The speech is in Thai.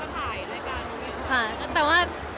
เพราะว่าก็ถ่ายด้วยกัน